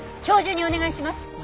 今日中にお願いします！